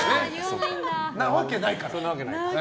んなわけないからね。